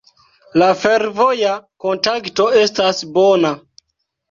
La fervoja kontakto estas bona.